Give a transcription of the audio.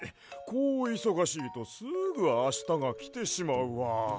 こういそがしいとすぐあしたがきてしまうわ。